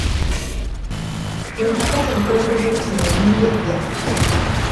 Lwenava kubukulembeze bw'esomero nengejja.